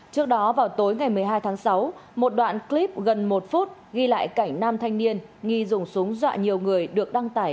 trước đó vào tối ngày một mươi hai tháng sáu một đoạn clip gần một phút ghi lại cảnh nam thanh niên nghi dùng súng dọa nhiều người được đăng tải